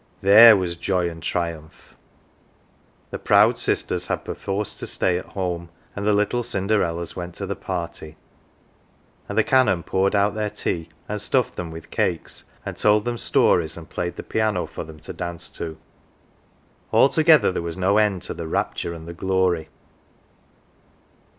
There was joy and triumph ! The proud sisters had perforce to stay at home, and the little Cinderellas went to the party ; and the Canon poured out their tea, and stuffed them with cakes, and told them stories, and played the piano for them to dance to ; altogether there was no end to the rapture and the glory.